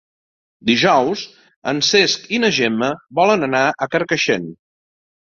Dijous en Cesc i na Gemma volen anar a Carcaixent.